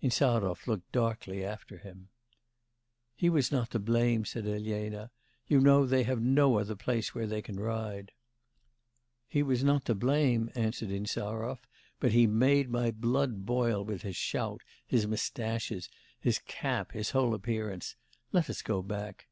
Insarov looked darkly after him. 'He was not to blame,' said Elena, 'you know, they have no other place where they can ride.' 'He was not to blame,' answered Insarov 'but he made my blood boil with his shout, his moustaches, his cap, his whole appearance. Let us go back.